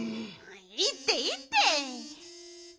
いいっていいって。